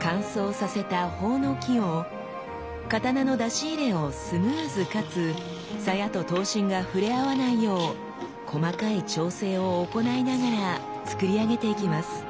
乾燥させた朴の木を刀の出し入れをスムーズかつ鞘と刀身が触れ合わないよう細かい調整を行いながら作り上げていきます。